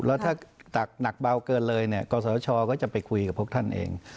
แล้วถ้าตักหนักเบาเกินเลยเนี่ยกศชก็จะไปคุยกับพวกท่านเอง